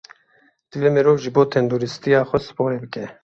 Divê mirov ji bo tenduristiya xwe sporê bike.